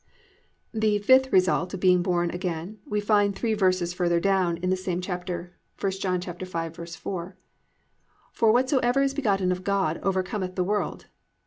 "+ 5. The fifth result of being born again we find three verses further down in this same chapter, 1 John 5:4: +"For whatsoever is begotten of God overcometh the world."